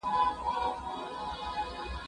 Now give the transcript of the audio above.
خپل کمال به د څښتن په مخ کي ږدمه